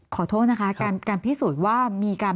ขอโทษนะคะการพิสูจน์ว่ามีการ